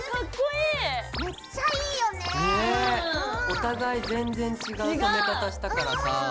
お互い全然違う染め方したからさぁ。